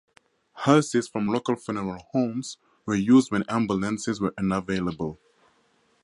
Hearses from local funeral homes were used when ambulances were unavailable.